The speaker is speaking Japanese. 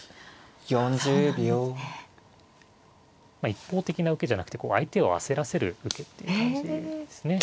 一方的な受けじゃなくて相手を焦らせる受けっていう感じですね。